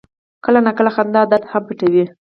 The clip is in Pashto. کله ناکله خندا درد هم پټوي.